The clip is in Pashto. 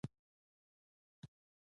چي راکړل سوئ ایمان را څخه ولاړ نسي ،